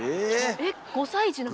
えっ５歳児なのに？